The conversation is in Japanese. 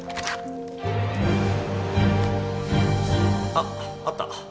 あっあった。